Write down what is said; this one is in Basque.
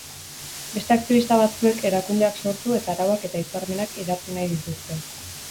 Beste aktibista batzuek erakundeak sortu eta arauak eta hitzarmenak idatzi nahi dituzte.